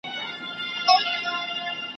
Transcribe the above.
چی یې ځانونه مرګي ته سپر کړل `